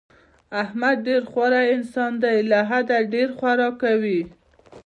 احمد ډېر خوری انسان دی، له حده ډېر خوراک کوي.